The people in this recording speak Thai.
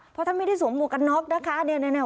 เพราะท่านไม่ได้สวมหมวกกันน็อกนะคะ